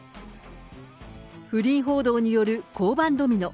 不倫報道による降板ドミノ。